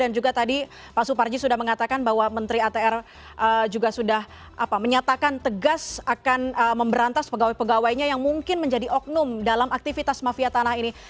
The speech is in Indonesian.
dan juga tadi pak suparji sudah mengatakan bahwa menteri atr juga sudah menyatakan tegas akan memberantas pegawai pegawainya yang mungkin menjadi oknum dalam aktivitas mafia tanah ini